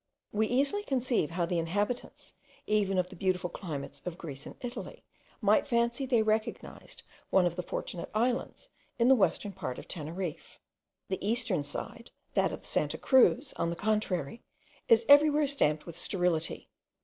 We easily conceive how the inhabitants, even of the beautiful climates of Greece and Italy, might fancy they recognised one of the Fortunate Isles in the western part of Teneriffe. The eastern side, that of Santa Cruz, on the contrary, is every where stamped with sterility.